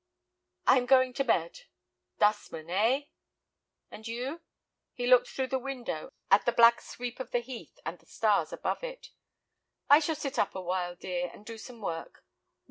"I am going to bed." "Dustman, eh?" "And you?" He looked through the window at the black sweep of the heath and the stars above it. "I shall sit up awhile, dear, and do some work."